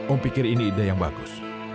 om pikir ini ide yang bagus